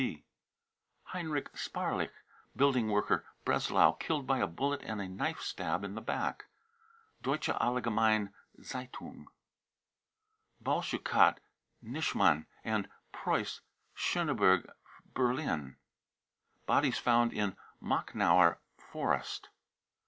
{WTB.) heinrich sparlich, building worker, Breslau, killed by a bullet and a knife stab in the back. {Deutsche Allgemeine Z e ^ un S>) balschukat, nitschmann and preuss, Schoneberg, Berlin. Bodies found in Machnower Forest.